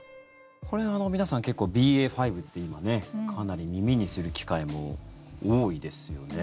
これは皆さん結構ＢＡ．５ってかなり耳にする機会も多いですよね。